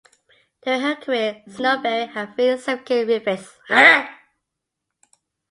During her career "Snowberry" had three significant refits.